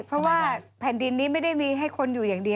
จริงไหมอ่ะเจอเขาก็ต้องเนอะ